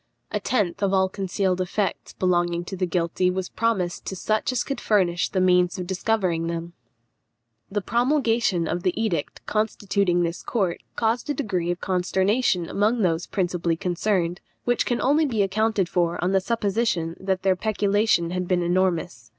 A tenth of all concealed effects belonging to the guilty was promised to such as should furnish the means of discovering them. From maltôte, an oppressive tax. The promulgation of the edict constituting this court caused a degree of consternation among those principally concerned, which can only be accounted for on the supposition that their peculation had been enormous.